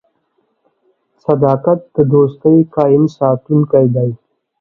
• صداقت د دوستۍ قایم ساتونکی دی.